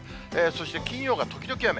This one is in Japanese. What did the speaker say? そして金曜が時々雨。